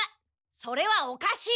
それはおかしい！